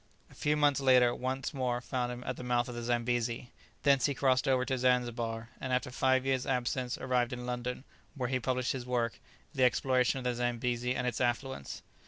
A few months later found him once more at the mouth of the Zambesi; thence he crossed over to Zanzibar, and after five years' absence arrived in London, where he published his work, "The exploration of the Zambesi and its affluents."